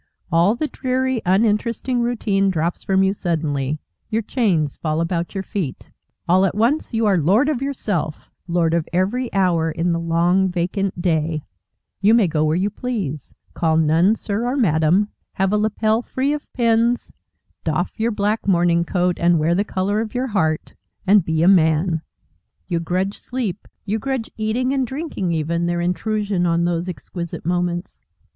All the dreary, uninteresting routine drops from you suddenly, your chains fall about your feet. All at once you are Lord of yourself, Lord of every hour in the long, vacant day; you may go where you please, call none Sir or Madame, have a lappel free of pins, doff your black morning coat, and wear the colour of your heart, and be a Man. You grudge sleep, you grudge eating, and drinking even, their intrusion on those exquisite moments.